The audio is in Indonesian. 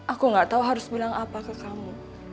aku gak tahu harus bilang apa ke kamu